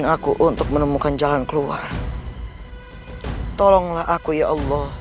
aku harus membantunya